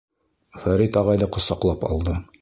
Фәрит ағайҙы ҡосаҡлап алды: